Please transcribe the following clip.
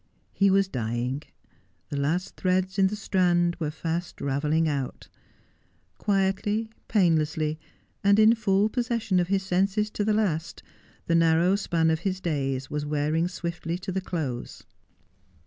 He was dying. The last threads in the strand were fast ravel ling out. Quietly, painlessly, and in full possession of his senses to the last, the narrow span of his days was wearing swiftly to the close.